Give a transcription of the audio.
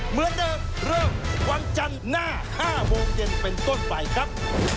เหมือนเดิมเริ่มวันจันทร์หน้า๕โมงเย็นเป็นต้นไปครับ